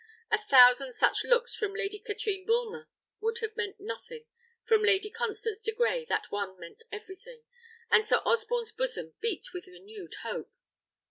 A thousand such looks from Lady Katrine Bulmer would have meant nothing, from Lady Constance de Grey that one meant everything, and Sir Osborne's bosom beat with renewed hope.